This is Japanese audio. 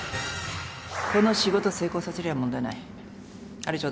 この仕事、成功させりゃ問題ない。